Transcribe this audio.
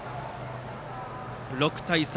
６対３。